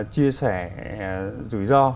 chia sẻ rủi ro